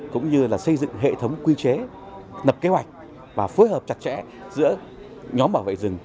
cũng như là xây dựng hệ thống quy chế nập kế hoạch và phối hợp chặt chẽ giữa nhóm bảo vệ rừng